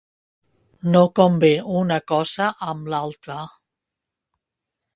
No convé una cosa amb l'altra.